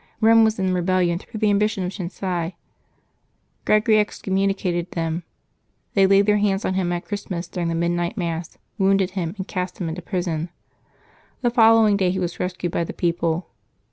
Eome was in rebel lion through the ambition of the Cenci. Gregory excom municated them. They laid hands on him at Christmas during the midnight Mass, wounded him, and cast him into prison. The following day he was rescued by the people.